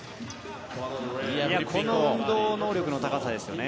この運動能力の高さですよね。